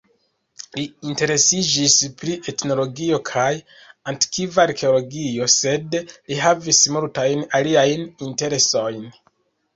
Li interesiĝis pri etnologio kaj antikva arkeologio, sed li havis multajn aliajn interesojn.